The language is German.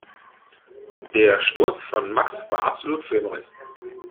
Der Sturz von Max war absolut filmreif.